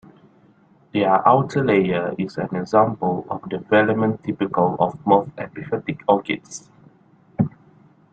Their outer layer is an example of the velamen typical of most epiphytic orchids.